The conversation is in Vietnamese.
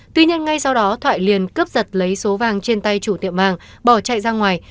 tuy nhiên ngay sau đó thoại liền cướp giật lấy số vàng trên tay chủ tiệm vàng bỏ chạy ra ngoài